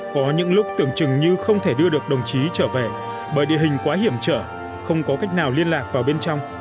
có những lúc tưởng chừng như không thể đưa được đồng chí trở về bởi địa hình quá hiểm trở không có cách nào liên lạc vào bên trong